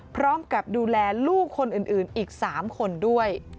พร้อมกับดูแลลูกคนอื่นอีก๓คนด้วย